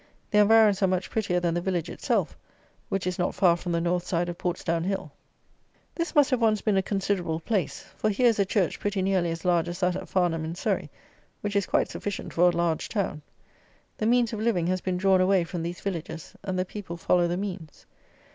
The environs are much prettier than the village itself, which is not far from the North side of Portsdown Hill. This must have once been a considerable place; for here is a church pretty nearly as large as that at Farnham in Surrey, which is quite sufficient for a large town. The means of living has been drawn away from these villages, and the people follow the means.